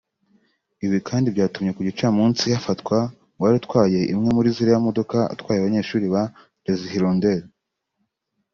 Ibi kandi byatumye ku gicamunsi hafatwa uwari utwaye imwe muri ziriya modoka atwaye abanyeshuri ba Les Hirondelles